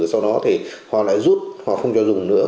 sau đó thì họ lại rút họ không cho dùng nữa